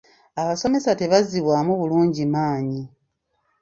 Abasomesa tebazzibwamu bulungi maanyi.